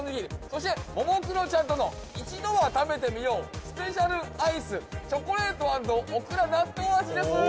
そして『ももクロちゃんと！』の一度は食べてみようスペシャルアイスチョコレート＆オクラ納豆味です。